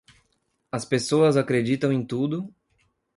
As pessoas acreditam em tudo